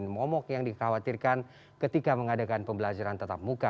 momok yang dikhawatirkan ketika mengadakan pembelajaran tetap muka